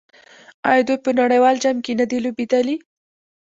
آیا دوی په نړیوال جام کې نه دي لوبېدلي؟